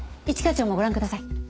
一課長もご覧ください。